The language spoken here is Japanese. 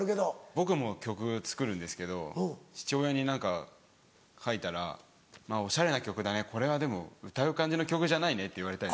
僕も曲作るんですけど父親に何か書いたら「おしゃれな曲だねこれはでも歌う感じの曲じゃないね」って言われたり。